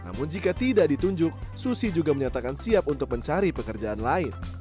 namun jika tidak ditunjuk susi juga menyatakan siap untuk mencari pekerjaan lain